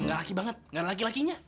nggak laki banget nggak ada laki lakinya